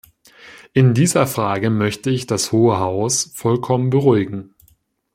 In dieser Frage möchte ich das Hohe Haus vollkommen beruhigen.